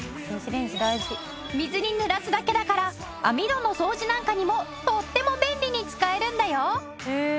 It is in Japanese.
水に濡らすだけだから網戸の掃除なんかにもとっても便利に使えるんだよ！